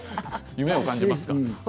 夢を感じますか？